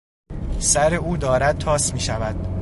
سر او دارد تاس میشود.